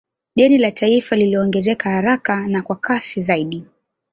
Deni la taifa liliongezeka haraka na kwa kasi zaidi